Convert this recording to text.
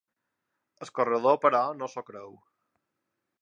El corredor, però, no s’ho creu.